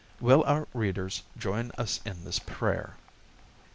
Will our readers join us in this prayer?